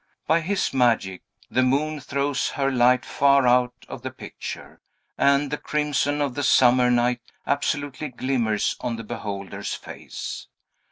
By his magic, the moon throws her light far out of the picture, and the crimson of the summer night absolutely glimmers on the beholder's face.